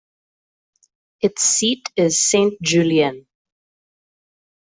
Its seat is Sainte-Julienne.